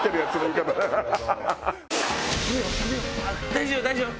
大丈夫大丈夫。